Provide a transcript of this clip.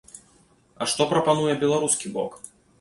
А што прапануе беларускі бок?